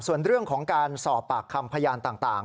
ส่วนเรื่องของการสอบปากคำพยานต่าง